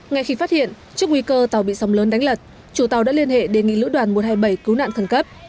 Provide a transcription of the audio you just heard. ngay khi phát hiện trước nguy cơ tàu bị sóng lớn đánh lật chủ tàu đã liên hệ đề nghị lữ đoàn một trăm hai mươi bảy cứu nạn thần cấp